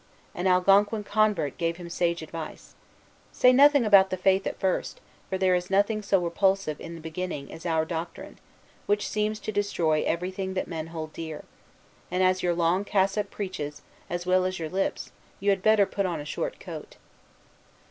An Algonquin convert gave him sage advice. "Say nothing about the Faith at first, for there is nothing so repulsive, in the beginning, as our doctrine, which seems to destroy everything that men hold dear; and as your long cassock preaches, as well as your lips, you had better put on a short coat."